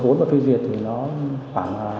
ở phía việt thì nó khoảng